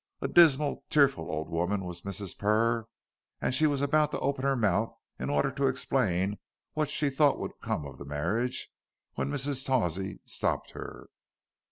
A dismal, tearful old woman was Mrs. Purr, and she was about to open her mouth, in order to explain what she thought would come of the marriage, when Mrs. Tawsey stopped her.